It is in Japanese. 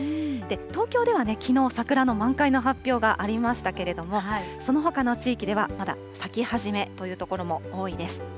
東京ではきのう、桜の満開の発表がありましたけれども、そのほかの地域では、まだ咲きはじめという所も多いです。